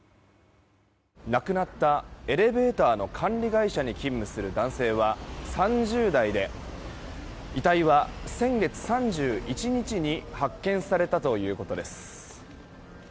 亡くなったエレベーターの管理会社に勤務する男性は３０代で遺体は先月３１日に発見されたということです。